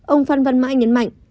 ông phan văn mãi nhấn mạnh